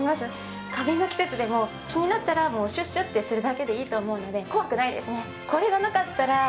カビの季節でも気になったらシュッシュッてするだけでいいと思うので怖くないですね。